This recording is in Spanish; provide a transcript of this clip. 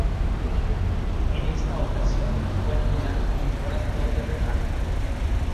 En esta ocasión, fue nominado a mejor actor de reparto.